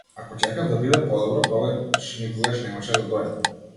Ако чекав да биде подобро, тогаш никогаш немаше да дојдам.